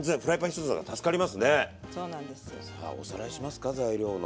さあおさらいしますか材料の。